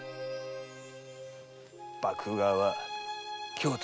幕府側は京都